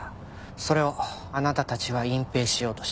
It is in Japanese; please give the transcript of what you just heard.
それをあなたたちは隠蔽しようとした。